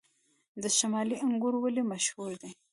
د شمالي انګور ولې مشهور دي؟